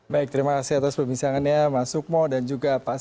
baik terima kasih atas perbincangannya mas sukmo dan juga pak sai